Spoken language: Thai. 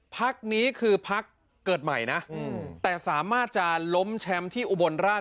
พักนี้คือพักเกิดใหม่นะแต่สามารถจะล้มแชมป์ที่อุบลราช